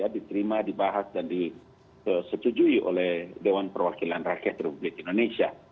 diterima dibahas dan disetujui oleh dewan perwakilan rakyat republik indonesia